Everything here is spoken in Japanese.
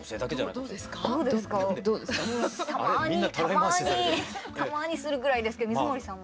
たまにたまにたまにするぐらいですけど水森さんは？